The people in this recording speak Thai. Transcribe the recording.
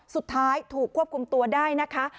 สุดท้ายถูกควบคุมตัวได้นะคะ